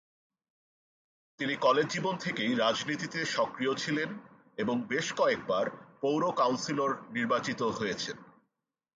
তিনি কলেজ জীবন থেকেই রাজনীতিতে সক্রিয় ছিলেন এবং বেশ কয়েকবার পৌর কাউন্সিলর নির্বাচিত হয়েছেন।